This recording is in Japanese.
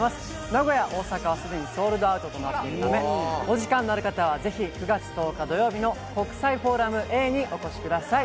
名古屋、大阪はすでにソールドアウトして決まっているため、お時間のある方はぜひ９月１０日土曜日の国際フォーラムＡにお越しください。